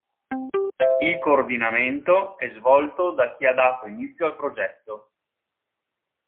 Il coordinamento è svolto da chi ha dato inizio al progetto.